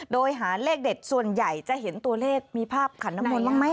โดยหาเลขเด็ดส่วนใหญ่จะเห็นตัวเลขมีภาพขันน้ำมนต์บ้างไหม